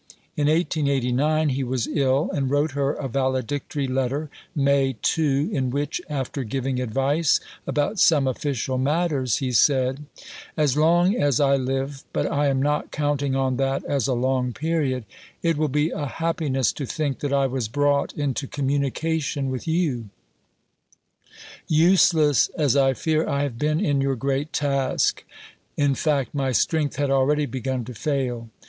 In 1889 he was ill, and wrote her a valedictory letter (May 2), in which, after giving advice about some official matters, he said: "As long as I live, but I am not counting on that as a long period, it will be a happiness to think that I was brought into communication with you useless as I fear I have been in your great task: in fact my strength had already begun to fail.